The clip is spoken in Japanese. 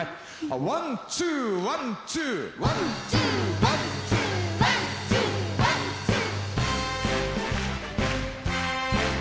「ワン・ツーワン・ツー」「ワン・ツーワン・ツーワン・ツーワン・ツー」